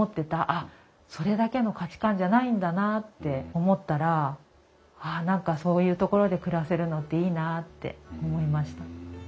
あっそれだけの価値観じゃないんだなって思ったらああ何かそういうところで暮らせるのっていいなって思いました。